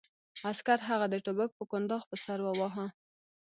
عسکر هغه د ټوپک په کنداغ په سر وواهه